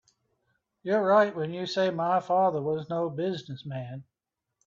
You're right when you say my father was no business man.